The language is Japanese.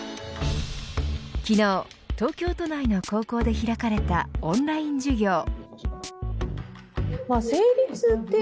昨日、東京都内の高校で開かれたオンライン授業。